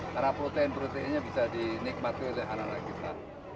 karena protein proteinnya bisa dinikmati oleh anak anak kita